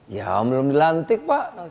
ya belum dilantik pak